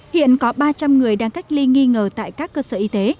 hiện có ba trăm linh người đang cách ly nghi ngờ tại các cơ sở y tế